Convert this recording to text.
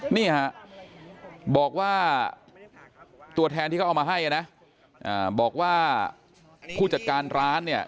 นี่ฮะบอกว่าตัวแทนที่เขาเอามาให้นะบอกว่าผู้จัดการร้านเนี่ย